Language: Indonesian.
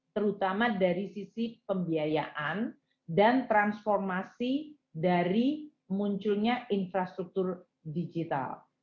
terutama dari sisi pembiayaan dan transformasi dari munculnya infrastruktur digital